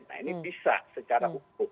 nah ini bisa secara hukum